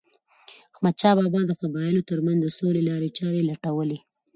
احمدشاه بابا د قبایلو ترمنځ د سولې لارې چارې لټولې.